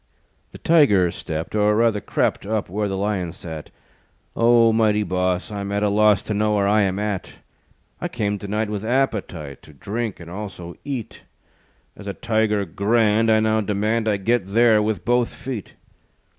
The Tiger stepped, Or, rather, crept, Up where the Lion sat. "O, mighty boss I'm at a loss To know where I am at. I came to night With appetite To drink and also eat; As a Tiger grand, I now demand, I get there with both feet."